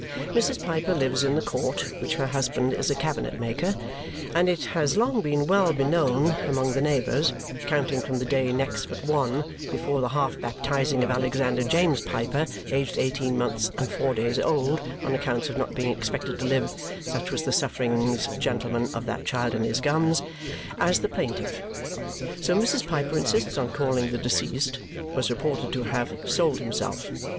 Mrs. Piper lives in the court (which her husband is a cabinet maker), and it has long been well beknown among the neighbours (counting from the day next but one before the half baptizing of Alexander James Piper aged eighteen months and four days old on accounts of not being expected to live such was the sufferings gentlemen of that child in his gums) as the plaintive so Mrs. Piper insists on calling the deceased was reported to have sold himself.